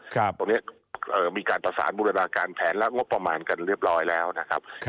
ตรงนี้มีการประสานบูรณาการแผนและงบประมาณกันเรียบร้อยแล้วนะครับ